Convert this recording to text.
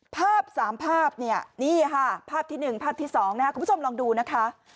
ภาพ๓ภาพภาพที่๑ภาพที่๒คุณผู้ชมลองดูนะคะ